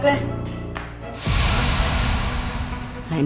kau bisa jadi disini